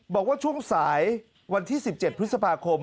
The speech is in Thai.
บอกว่าช่วงสายวันที่๑๗พฤษภาคม